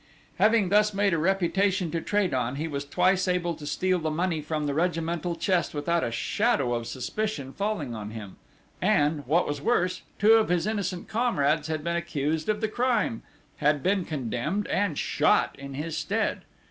Having thus made a reputation to trade on, he was twice able to steal the money from the regimental chest without a shadow of suspicion falling on him, and, what was worse, two of his innocent comrades had been accused of the crime, had been condemned and shot in his stead!